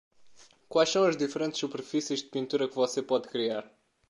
Quais são as diferentes superfícies de pintura que você pode criar?